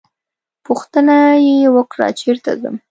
پوښتنه یې وکړه چېرته ځم.